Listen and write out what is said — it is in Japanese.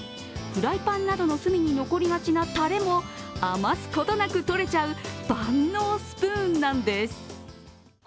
フライパンなどの隅に残りがちなタレも余すことなくとれちゃう万能スプーンなんです。